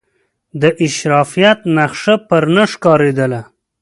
د اشرافیت نخښه پر نه ښکارېدله.